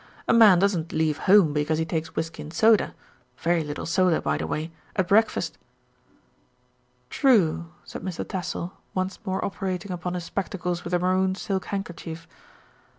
"A man doesn't leave home because he takes whisky and soda very little soda, by the way at breakfast." "True," said Mr. Tassell, once more operating upon his spectacles with the maroon silk handkerchief.